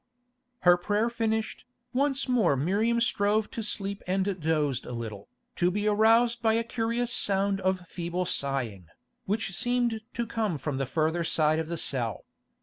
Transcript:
Her prayer finished, once more Miriam strove to sleep and dozed a little, to be aroused by a curious sound of feeble sighing, which seemed to come from the further side of the cell.